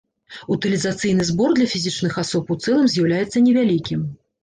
Утылізацыйны збор для фізічных асоб у цэлым з'яўляецца невялікім.